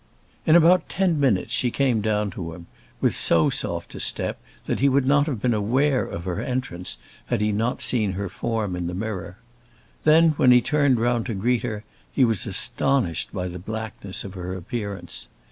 In about ten minutes she came down to him, with so soft a step that he would not have been aware of her entrance had he not seen her form in the mirror. Then, when he turned round to greet her, he was astonished by the blackness of her appearance.